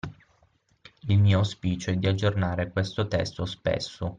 Il mio auspicio è di aggiornare questo testo spesso